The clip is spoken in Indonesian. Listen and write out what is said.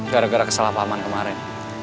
gara gara kesalahpahaman kemarin